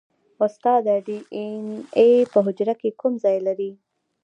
استاده ډي این اې په حجره کې کوم ځای لري